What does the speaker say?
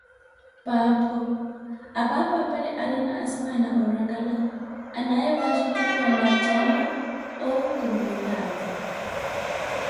Paapho, apaapa apale ariina asimaana oorakala anaaye wajutariwa na acaama owu kumunitaati.